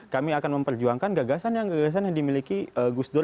kami akan memperjuangkan gagasan gagasan yang dimiliki gusdur